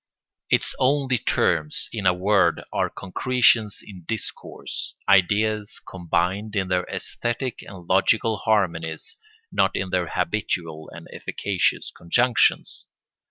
Its only terms, in a word, are concretions in discourse, ideas combined in their æsthetic and logical harmonies, not in their habitual and efficacious conjunctions.